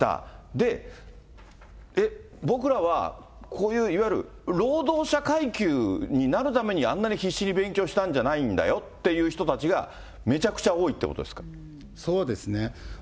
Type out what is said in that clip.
で、えっ、僕らはこういういわゆる労働者階級になるために、あんなに必死に勉強したんじゃないんだよっていうひとたちが、めそうですね。